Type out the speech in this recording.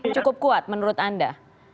cukup kuat menurut anda